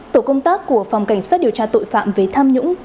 tổ công tác của phòng cảnh sát điều tra tội phạm về tham nhũng